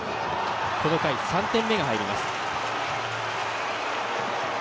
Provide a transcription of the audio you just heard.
この回、３点目が入ります。